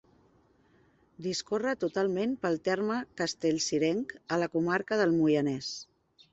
Discorre totalment pel terme castellcirenc, a la comarca del Moianès.